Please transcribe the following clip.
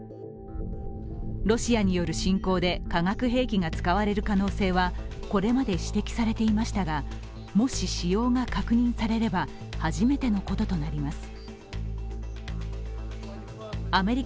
ロシアによる侵攻で、化学兵器が使われる可能性はこれまで指摘されていましたがもし使用が確認されれば、初めてのこととなります。